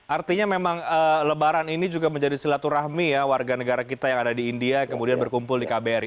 artinya memang lebaran ini juga menjadi silaturahmi ya warga negara kita yang ada di india yang kemudian berkumpul di kbri